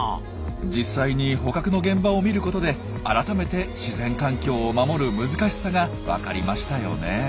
実際に捕獲の現場を見ることで改めて自然環境を守る難しさがわかりましたよねえ。